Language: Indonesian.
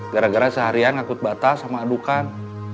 gara gara seharian ngakut batas sama adukan